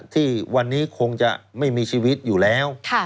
ที่วันนี้คงจะไม่มีชีวิตอยู่แล้ว